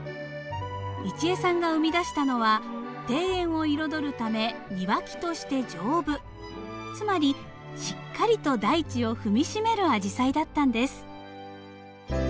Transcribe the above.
一江さんが生み出したのは庭園を彩るため庭木として丈夫つまりしっかりと大地を踏みしめるアジサイだったんです。